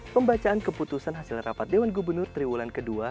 pembacaan keputusan hasil rapat dewan gubernur triwulan kedua